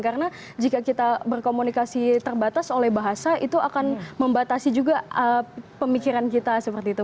karena jika kita berkomunikasi terbatas oleh bahasa itu akan membatasi juga pemikiran kita seperti itu